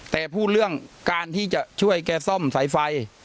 แต่พูดเรื่องการที่จะช่วยแกซ่อมสายไฟ